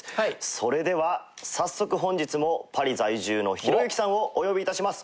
それでは早速本日もパリ在住のひろゆきさんをお呼び致します。